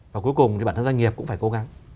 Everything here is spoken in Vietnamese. và cuối cùng thì bản thân doanh nghiệp cũng phải cố gắng